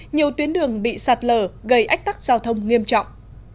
nhiều tuyến đường bị sạt lở gây ách tắc giao thông nghiêm trọng